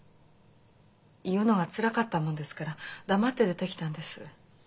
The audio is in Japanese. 言うのがつらかったもんですから黙って出てきたんです。